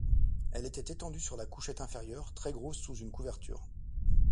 Elle était étendue sur la couchette inférieure, très grosse sous une couverture.